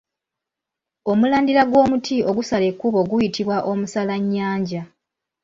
Omulandira gw’omuti ogusala ekkubo guyitibwa Omusalannyanja.